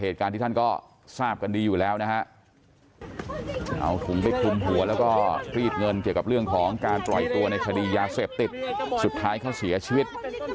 สุดท้ายเขาเสียชีวิต